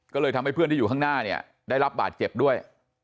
ก็เลยทำให้เพื่อนที่อยู่ข้างหน้าเนี่ยได้รับบาดเจ็บด้วย